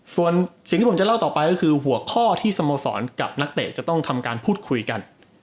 ส่วนสิ่งที่ผมจะเล่าต่อไปก็คือหัวข้อที่สโมสรกับนักเตะจะต้องทำการพูดคุยกัน